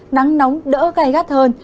nắng nóng đỡ gai gắt hơn